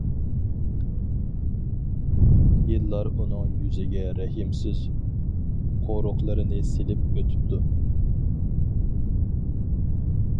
يىللار ئۇنىڭ يۈزىگە رەھىمسىز قورۇقلىرىنى سېلىپ ئۆتۈپتۇ.